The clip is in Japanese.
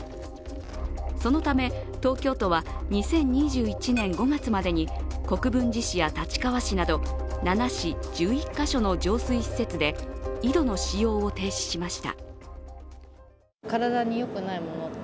そのため、東京都は２０２１年５月までに国分寺市や立川市など７市・１１か所の浄水施設で井戸の使用を停止しました。